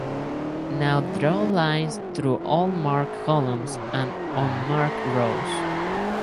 Now draw lines through all marked columns and unmarked rows.